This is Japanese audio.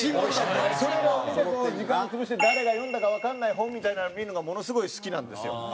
それらを見て時間潰して誰が読んだかわかんない本みたいなのを見るのがものすごい好きなんですよ。